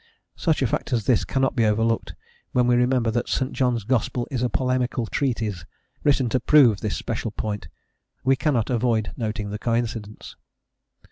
Such a fact as this cannot be overlooked, when we remember that "St. John's gospel is a polemical treatise" written to prove this special point. We cannot avoid noting the coincidence.